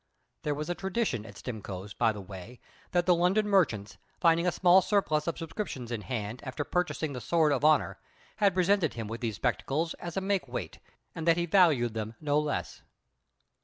(There was a tradition at Stimcoe's, by the way, that the London merchants, finding a small surplus of subscriptions in hand after purchasing the sword of honour, had presented him with these spectacles as a make weight, and that he valued them no less.)